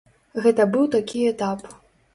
Гэта быў такі этап.